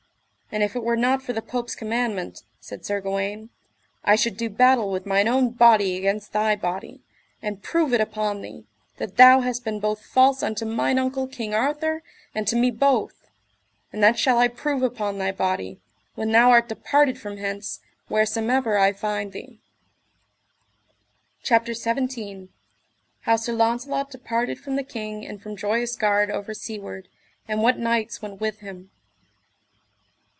And if it were not for the Pope's commandment, said Sir Gawaine, I should do battle with mine own body against thy body, and prove it upon thee, that thou hast been both false unto mine uncle King Arthur, and to me both; and that shall I prove upon thy body, when thou art departed from hence, wheresomever I find thee. CHAPTER XVII. How Sir Launcelot departed from the king and from Joyous Gard over seaward, and what knights went with him.